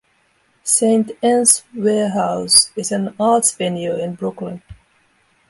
Saint Ann's Warehouse is an arts venue in Brooklyn.